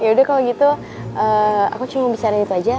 yaudah kalau gitu aku cuma bicara itu aja